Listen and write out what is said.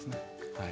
はい。